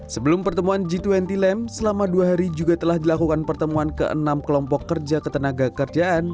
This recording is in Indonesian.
sebelum pertemuan g dua puluh lem selama dua hari juga telah dilakukan pertemuan ke enam kelompok kerja ketenaga kerjaan